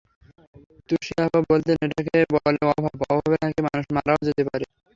তুশি আপা বলতেন, এটাকে বলে অভাব, অভাবে নাকি মানুষ মারাও যেতে পারে।